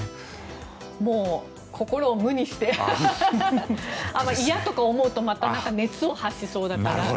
もう心を無にして嫌とか思うとまた熱を発しそうだから。